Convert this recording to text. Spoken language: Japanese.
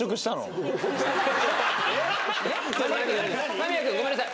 ・間宮君ごめんなさい。